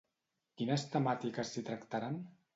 Quines temàtiques s'hi tractaran?